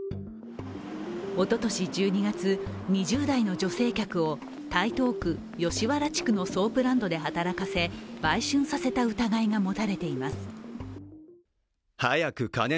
おととし１２月、２０代の女性客を台東区吉原地区のソープランドで働かせ売春させた疑いが持たれています。